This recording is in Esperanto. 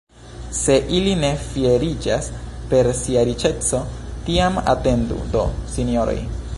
Se ili fieriĝas per sia riĉeco, tiam atendu do, sinjoroj!